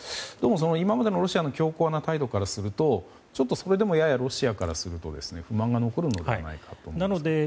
でも、今までのロシアの強硬な態度からするとそれでもややロシアからすると不満が残るのではないかと思いますが。